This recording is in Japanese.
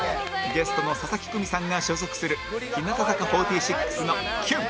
ゲストの佐々木久美さんが所属する日向坂４６の『キュン』